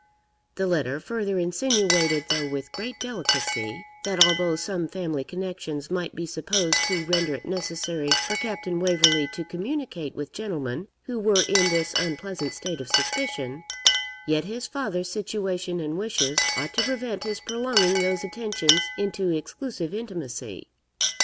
The letter further insinuated, though with great delicacy, that although some family connections might be supposed to render it necessary for Captain Waverley to communicate with gentlemen who were in this unpleasant state of suspicion, yet his father's situation and wishes ought to prevent his prolonging those attentions into exclusive intimacy.